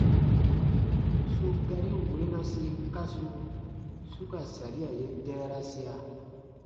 Su garin weenasi kasu su ka saria ye dɛɛrasia :